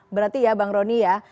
berarti ya bang roni ya